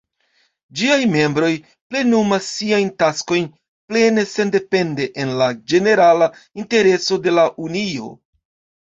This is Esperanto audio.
Ĝiaj membroj plenumas siajn taskojn plene sendepende, en la ĝenerala intereso de la Unio.